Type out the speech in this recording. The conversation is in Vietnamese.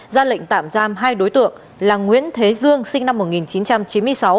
ra lệnh tạm giam hai đối tượng là nguyễn thế dương sinh năm một nghìn chín trăm chín mươi sáu